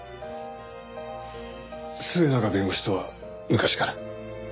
末永弁護士とは昔から？